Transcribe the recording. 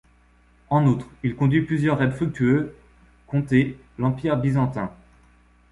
En outre, il conduit plusieurs raids fructueux conter l'Empire byzantin.